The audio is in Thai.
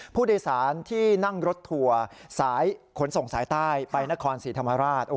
ผู้โดยสารที่นั่งรถทัวร์สายขนส่งสายใต้ไปนครศรีธรรมราช